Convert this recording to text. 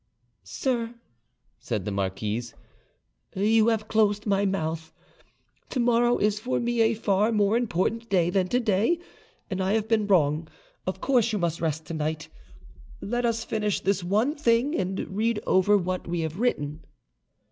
"Sir," said the marquise, "you have closed my mouth. To morrow is for me a far more important day than to day, and I have been wrong: of course you must rest to night. Let us just finish this one thing, and read over what we have written."